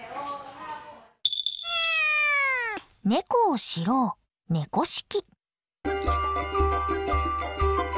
ネコを知ろう「猫識」。